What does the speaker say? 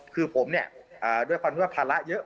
คือผมเนี่ยด้วยความที่ว่าภาระเยอะ